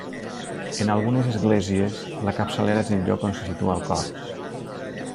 En algunes esglésies la capçalera és el lloc on se situa el cor.